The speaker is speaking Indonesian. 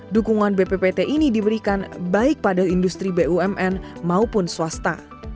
dukungan bppt ini diberikan baik pada industri bumn maupun swasta